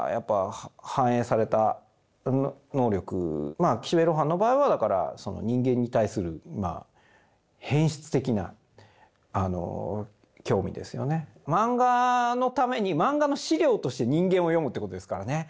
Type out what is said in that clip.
まあ岸辺露伴の場合はだからその漫画のために漫画の資料として人間を読むってことですからね。